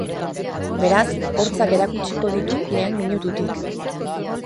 Beraz, hortzak erakutsiko ditu lehen minututik.